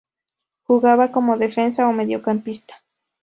Jugaba como defensa o mediocampista.